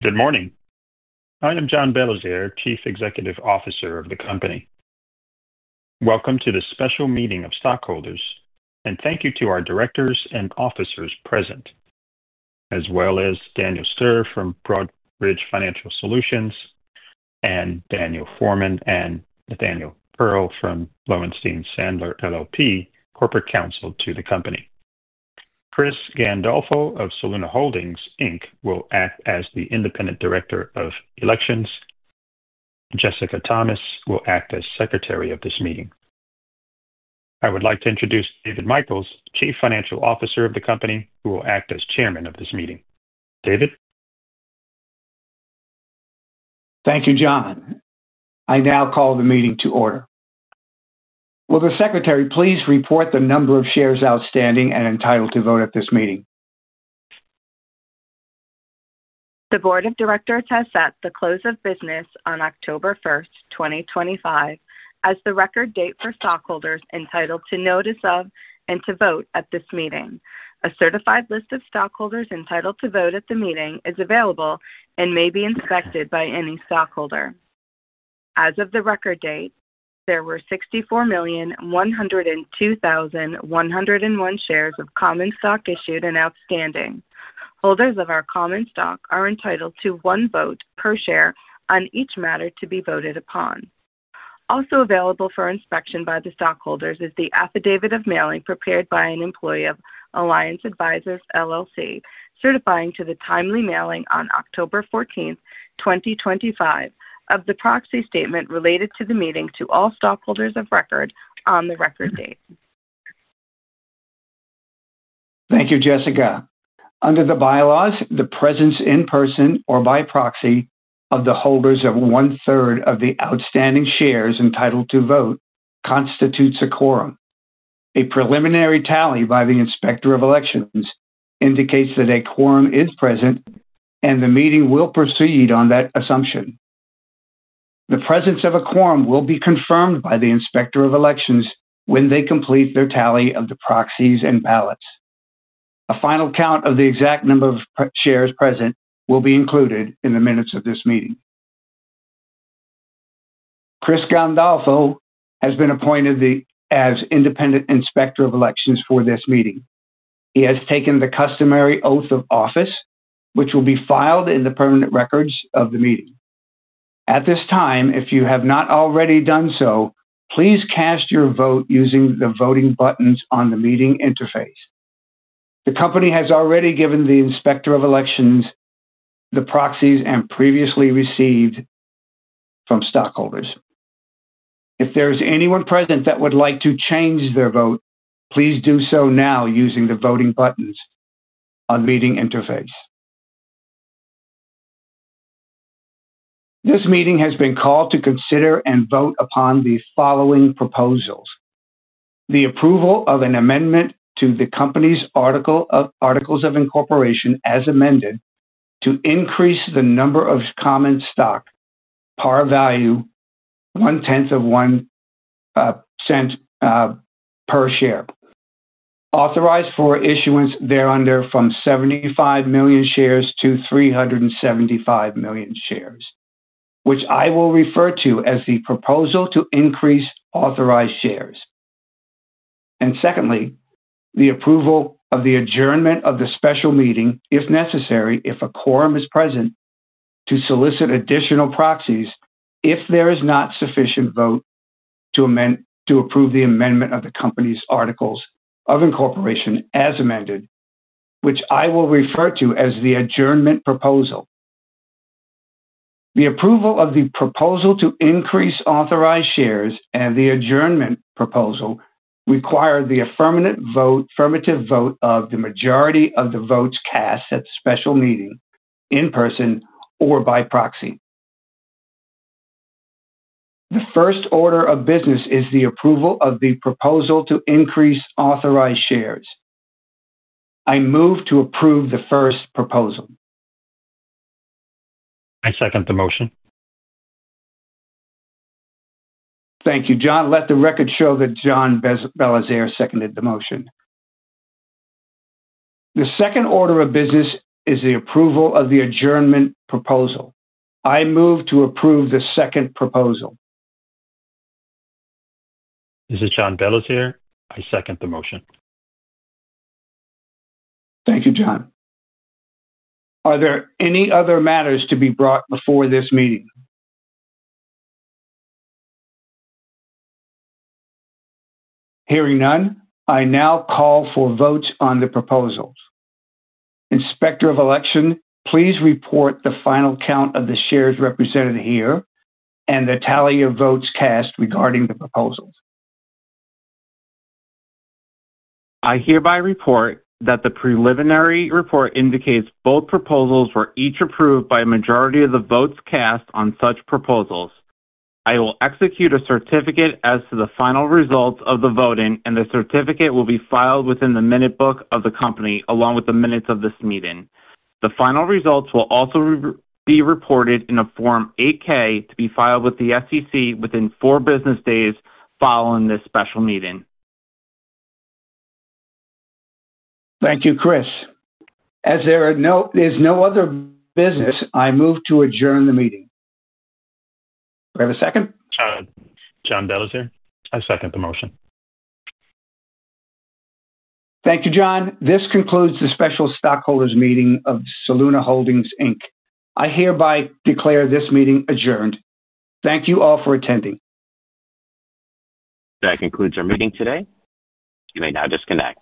Good morning. I am John Belizaire, Chief Executive Officer of the company. Welcome to this special meeting of stockholders, and thank you to our directors and officers present, as well as Daniel Steier from Broadridge Financial Solutions, and Daniel Forman and Nathaniel Perle from Lowenstein Sandler LLP, corporate counsel to the company. Chris Gandolfo of Soluna Holdings will act as the independent director of elections. Jessica Thomas will act as secretary of this meeting. I would like to introduce David Michaels, Chief Financial Officer of the company, who will act as chairman of this meeting. David? Thank you, John. I now call the meeting to order. Will the Secretary please report the number of shares outstanding and entitled to vote at this meeting? The board of directors has set the close of business on October 1st, 2025, as the record date for stockholders entitled to notice of and to vote at this meeting. A certified list of stockholders entitled to vote at the meeting is available and may be inspected by any stockholder. As of the record date, there were 64,102,101 shares of common stock issued and outstanding. Holders of our common stock are entitled to one vote per share on each matter to be voted upon. Also available for inspection by the stockholders is the affidavit of mailing prepared by an employee of Alliance Advisors LLC, certifying to the timely mailing on October 14th, 2025, of the proxy statement related to the meeting to all stockholders of record on the record date. Thank you, Jessica. Under the bylaws, the presence in person or by proxy of the holders of one-third of the outstanding shares entitled to vote constitutes a quorum. A preliminary tally by the inspector of elections indicates that a quorum is present, and the meeting will proceed on that assumption. The presence of a quorum will be confirmed by the inspector of elections when they complete their tally of the proxies and ballots. A final count of the exact number of shares present will be included in the minutes of this meeting. Chris Gandolfo has been appointed as independent inspector of elections for this meeting. He has taken the customary oath of office, which will be filed in the permanent records of the meeting. At this time, if you have not already done so, please cast your vote using the voting buttons on the meeting interface. The company has already given the inspector of elections the proxies previously received from stockholders. If there is anyone present that would like to change their vote, please do so now using the voting buttons on the meeting interface. This meeting has been called to consider and vote upon the following proposals: the approval of an amendment to the company's articles of incorporation as amended, to increase the number of common stock, par value one-tenth of $0.01 per share, authorized for issuance thereunder from 75 million shares to 375 million shares, which I will refer to as the proposal to increase authorized shares, and secondly, the approval of the adjournment of the special meeting, if necessary, if a quorum is present, to solicit additional proxies if there is not sufficient vote to approve the amendment of the company's articles of incorporation as amended, which I will refer to as the adjournment proposal. The approval of the proposal to increase authorized shares and the adjournment proposal require the affirmative vote of the majority of the votes cast at the special meeting in person or by proxy. The first order of business is the approval of the proposal to increase authorized shares. I move to approve the first proposal. I second the motion. Thank you, John. Let the record show that John Belizaire seconded the motion. The second order of business is the approval of the adjournment proposal. I move to approve the second proposal. This is John Belizaire. I second the motion. Thank you, John. Are there any other matters to be brought before this meeting? Hearing none, I now call for votes on the proposals. Inspector of election, please report the final count of the shares represented here and the tally of votes cast regarding the proposals. I hereby report that the preliminary report indicates both proposals were each approved by a majority of the votes cast on such proposals. I will execute a certificate as to the final results of the voting, and the certificate will be filed within the minute book of the company along with the minutes of this meeting. The final results will also be reported in a Form 8-K to be filed with the SEC within four business days following this special meeting. Thank you, Chris. As there is no other business, I move to adjourn the meeting. Do I have a second? I second the motion. Thank you, John. This concludes the special stockholders' meeting of Soluna Holdings. I hereby declare this meeting adjourned. Thank you all for attending. That concludes our meeting today. You may now disconnect.